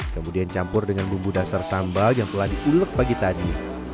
kemudian campur dengan bumbu dasar sambal yang telah diulek pagi tadi